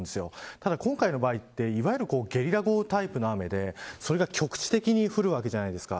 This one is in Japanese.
ただ今回の場合はいわゆるゲリラ豪雨タイプの雨でそれが局地的に降るわけじゃないですか。